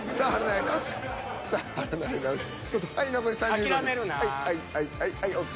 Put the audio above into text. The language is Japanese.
はいはいはいＯＫ。